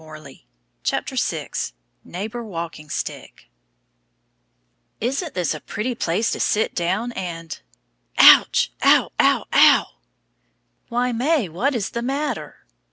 NEIGHBOR WALKING STICK Isn't this a pretty place to sit down and "Ouch! ow! ow! ow!" Why, May, what is the matter?